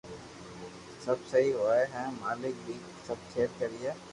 سب سھي ھوئي ھين مالڪ بي سب کير ڪرئي